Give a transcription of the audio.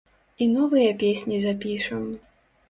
І новыя песні запішам.